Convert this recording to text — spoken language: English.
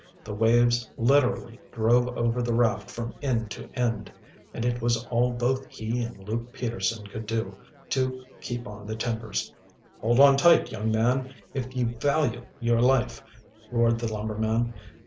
The waves literally drove over the raft from end to end, and it was all both he and Luke Peterson could do to keep on the timbers. "Hold on tight, young man, if ye value your life!" roared the lumberman.